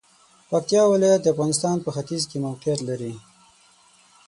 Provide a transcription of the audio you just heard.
پکتیا ولایت د افغانستان په ختیځ کې موقعیت لري.